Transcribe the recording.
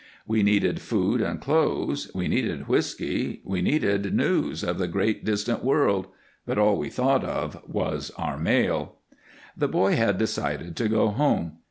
We needed food and clothes, we needed whisky, we needed news of the great, distant world but all we thought of was our mail. The boy had decided to go home.